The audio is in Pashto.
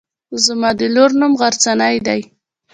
زما د لور نوم غرڅنۍ دی.